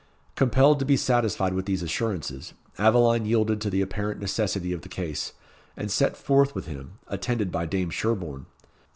Compelled to be satisfied with these assurances, Aveline yielded to the apparent necessity of the case, and set forth with him, attended by Dame Sherbourne.